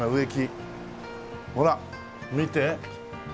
ほら見て。